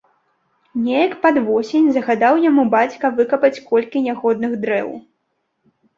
Неяк пад восень загадаў яму бацька выкапаць колькі нягодных дрэў.